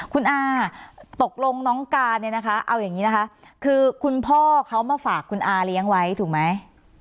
คุณอาตกลงน้องการเนี่ยนะคะเอาอย่างนี้นะคะคือคุณพ่อเขามาฝากคุณอาเลี้ยงไว้ถูกไหม